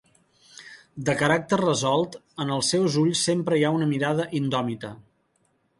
De caràcter resolt, en els seus ulls sempre hi ha una mirada indòmita.